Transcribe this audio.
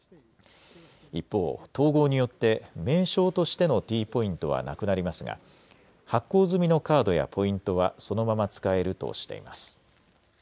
一方、統合によって名称としてのＴポイントはなくなりますが発行済みのカードやポイントはそのまま使えるとしています。